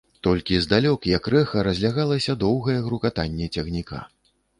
Толькі здалёк, як рэха, разлягалася доўгае грукатанне цягніка.